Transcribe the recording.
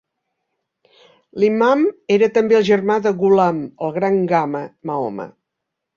L'imam era també el germà de Ghulam "el gran Gama" Mahoma.